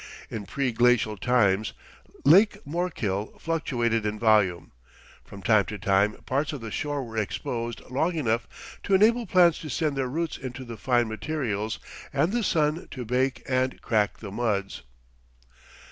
In pre glacial times Lake Morkill fluctuated in volume. From time to time parts of the shore were exposed long enough to enable plants to send their roots into the fine materials and the sun to bake and crack the muds.